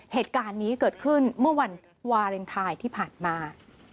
เหตุการณ์นี้เกิดขึ้นเมื่อวันวาเลนไทยที่ผ่านมา